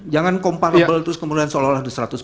jangan comparable terus kemudian seolah olah di seratus